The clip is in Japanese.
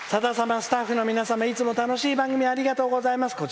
スタッフの皆様いつも楽しい時間ありがとうございます。